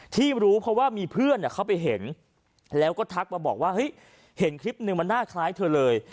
ที่รู้เพราะว่ามีเพื่อนเข้าไปเห็นแล้วก็ทักมาบอกว่าเฮ้ยเห็นคลิปหนึ่งมันน่าคล้ายเธอเลย